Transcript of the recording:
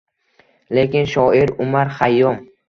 Lekin shoir Umar Xayyom